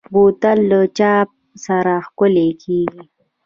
بوتل له چاپ سره ښکلي کېږي.